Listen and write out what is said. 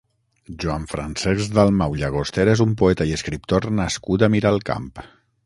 Joan Francesc Dalmau Llagostera és un poeta i escriptor nascut a Miralcamp.